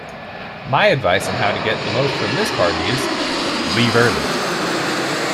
My advice on how to get the most from this Party is: Leave early.